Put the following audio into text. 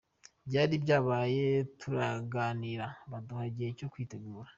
Byari byabaye turaganira baduha igihe cyo kwitegura.